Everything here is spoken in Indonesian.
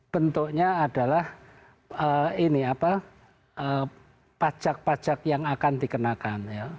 bentuknya adalah pajak pajak yang akan dikenakan